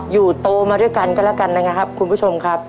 อยู่โตมาด้วยกันก็แล้วกันนะครับคุณผู้ชมครับ